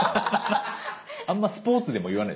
あんまスポーツでも言わない。